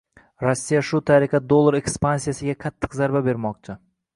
Rossiya shu tariqa dollar ekspansiyasiga qattiq zarba bermoqchi